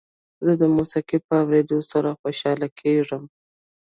زه د موسیقۍ په اورېدو سره خوشحاله کېږم.